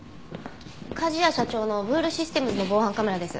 梶谷社長のブールシステムズの防犯カメラです。